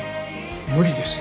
無理です。